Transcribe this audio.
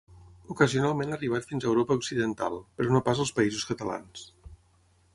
Ocasionalment ha arribat fins a Europa occidental, però no pas als Països Catalans.